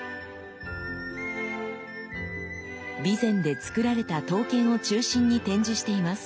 備前で作られた刀剣を中心に展示しています。